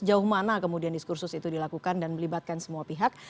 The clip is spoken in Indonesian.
jauh mana kemudian diskursus itu dilakukan dan melibatkan semua pihak